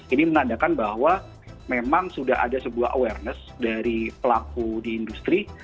ini menandakan bahwa memang sudah ada sebuah awareness dari pelaku di industri